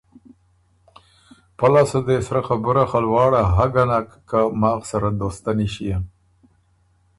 که په لاسته دې سرۀ خبُره خه لواړه هۀ ګه نک که ماخ سره دوستنی ݭيېن۔